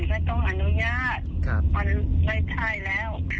ไม่ต้องอนุญาตมันไม่ใช่แล้ว